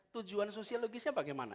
tujuan sosiologisnya bagaimana